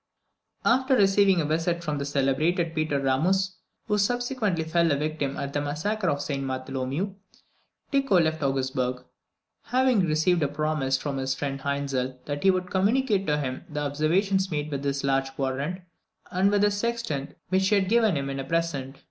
After receiving a visit from the celebrated Peter Ramus, who subsequently fell a victim at the massacre of St Bartholomew, Tycho left Augsburg, having received a promise from his friend Hainzel that he would communicate to him the observations made with his large quadrant, and with the sextant which he had given him in a present.